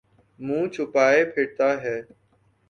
منہ چھپائے پھرتاہے۔